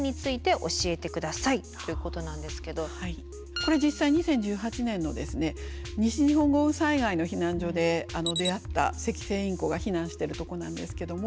これ実際２０１８年の西日本豪雨災害の避難所で出会ったセキセイインコが避難しているとこなんですけども。